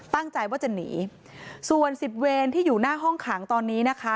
ตั้งใจว่าจะหนีส่วนสิบเวรที่อยู่หน้าห้องขังตอนนี้นะคะ